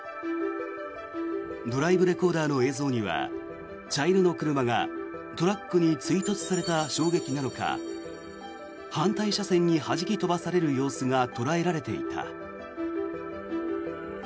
ドライブレコーダーの映像には茶色の車がトラックに追突された衝撃なのか反対車線にはじき飛ばされる様子が捉えられていた。